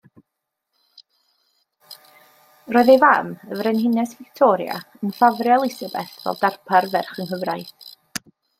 Roedd ei fam, y Frenhines Victoria, yn ffafrio Elisabeth fel darpar ferch-yng-nghyfraith.